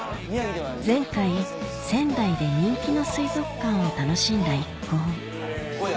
前回仙台で人気の水族館を楽しんだ一行ホヤ？